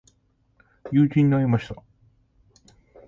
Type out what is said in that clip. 友人に会いました。